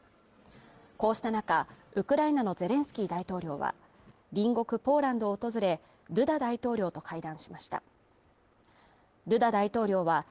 こうした中、ウクライナのゼレンスキー大統領は、隣国ポーランドを訪れドゥダ大統領と会談しました。